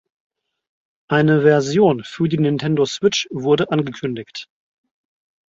Eine Version für die Nintendo Switch wurde angekündigt.